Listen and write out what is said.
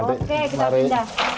oke kita pindah